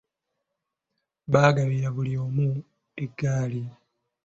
Baagabira buli omu eggaali.